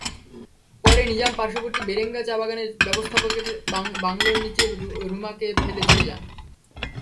পরে নিজাম পার্শ্ববর্তী বেরেঙ্গা চা-বাগানের ব্যবস্থাপকের বাংলোর নিচে রুমাকে ফেলে চলে যান।